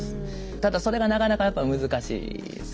ただそれがなかなかやっぱり難しいですよね。